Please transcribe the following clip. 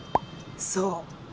そう。